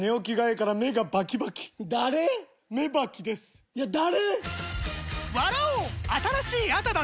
いや誰‼